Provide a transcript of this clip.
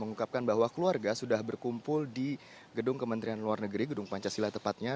mengungkapkan bahwa keluarga sudah berkumpul di gedung kementerian luar negeri gedung pancasila tepatnya